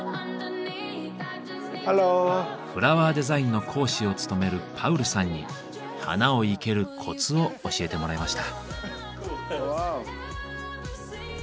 フラワーデザインの講師を務めるパウルさんに花を生けるコツを教えてもらいました。